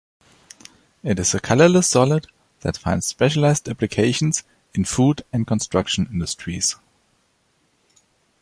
It is a colourless solid that finds specialised applications in food and construction industries.